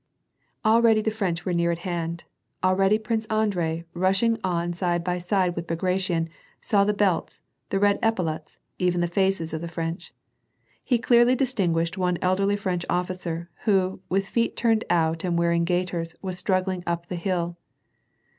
* Already the Freneli were near at hand, already Prince Andrei, rushing on side by side with Bagration, saw the belts, the red epaulets, even the faces of the French. Hie clearly distin | guished one elderly French officer, who, witli feet turned out \ and wearing gaiters, was struggling up the hill.)